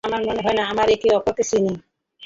আমার মনে হয়না আমরা একে অপরকে চিনি।